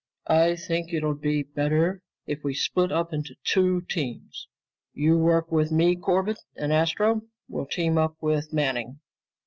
"I think it'll be better if we split up into two teams. You work with me, Corbett, and Astro will team up with Manning.